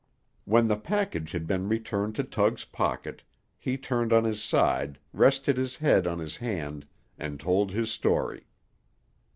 When the package had been returned to Tug's pocket, he turned on his side, rested his head on his hand, and told his story.